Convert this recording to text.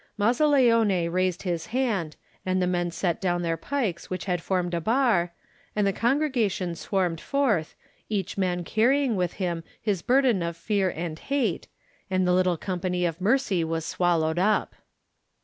Mazzaleone raised his hand and the men set down their pikes which had formed a bar, and the congregation swarmed forth, each man carrying with him his burden of fear and hate, and the little company of mercy was swallowed up.